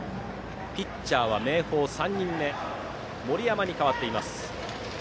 ピッチャーは明豊、３人目森山に代わっています。